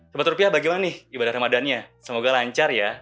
sebetulnya rupiah bagaimana nih ibadah ramadannya semoga lancar ya